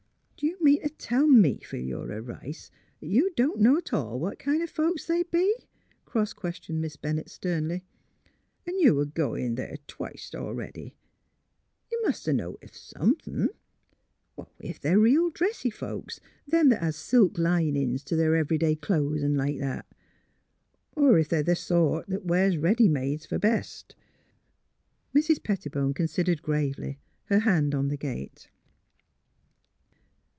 " D' you mean t' tell me, Philura Eice, 'at you don't know 't all what kind o' folks they be? " cross questioned Miss Bennett, sternly, "an' you a goin' there twict, a 'ready*? You must 'a' noticed somethin'; ef they're real dressy folks — them that has silk linin's to their every day clo'es, an' like that; or ef they're the sort that wears ready mades fer best. '' Mrs. Pettibone considered gravely, her hand on the gate.